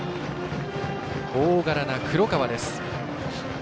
大柄な黒川です。